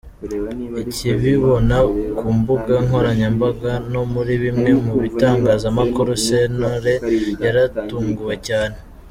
Akibibona ku mbuga nkoranyambaga no muri bimwe mu bitangazamakuru, Sentore yaratunguwe cyane.